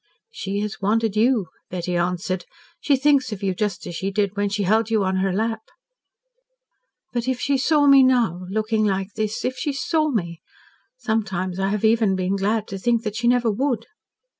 "She has wanted you," Betty answered. "She thinks of you just as she did when she held you on her lap." "But if she saw me now looking like this! If she saw me! Sometimes I have even been glad to think she never would."